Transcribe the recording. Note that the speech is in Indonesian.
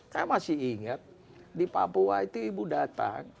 saya masih ingat di papua itu ibu datang